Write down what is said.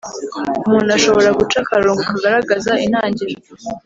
umuntu ashobora guca akarongo kagaragaza intangiro